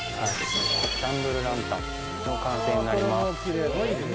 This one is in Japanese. キャンドルランタン、完成になります。